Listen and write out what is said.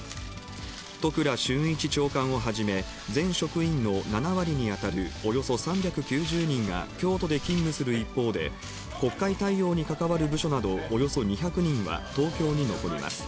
都倉俊一長官をはじめ、全職員の７割に当たるおよそ３９０人が京都で勤務する一方で、国会対応に関わる部署など、およそ２００人は東京に残ります。